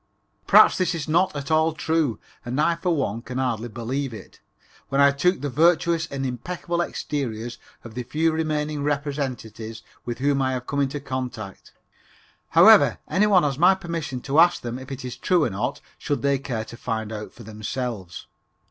Perhaps this is not at all true and I for one can hardly believe it when I look at the virtuous and impeccable exteriors of the few remaining representatives with whom I have come in contact. However, any one has my permission to ask them if it is true or not, should they care to find out for themselves.